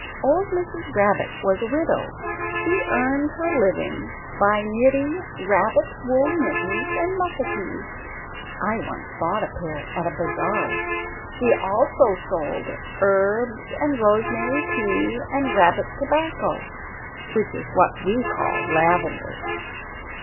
Old Mrs. Rabbit was a widow; she earned her living by knitting rabbit wool mittens and muffatees (I once bought a pair at a bazaar). She also sold herbs, and rosemary tea, and rabbit tobacco (which is what we call lavender).